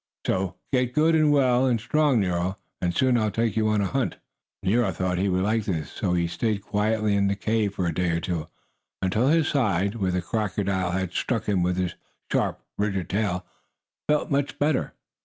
So get good and well and strong, Nero, and soon I'll take you on a hunt." Nero thought he would like this, so he stayed quietly in the cave for a day or two, until his side, where the crocodile had struck him with the sharp ridged tail, felt much better.